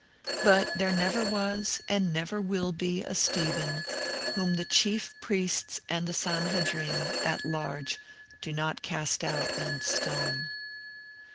But there never was and never will be a Stephen whom the chief priests and the Sanhedrim at large do not cast out and stone.